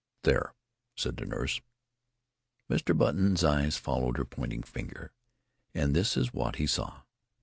"There!" said the nurse. Mr. Button's eyes followed her pointing finger, and this is what he saw.